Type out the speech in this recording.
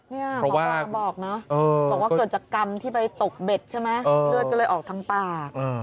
นี่หมอปลาบอกนะบอกว่าเกิดจากกรรมที่ไปตกเบ็ดใช่ไหมเลือดก็เลยออกทางปาก